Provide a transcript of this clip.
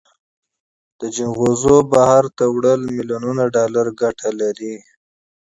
د جلغوزیو صادرات میلیونونه ډالر عاید لري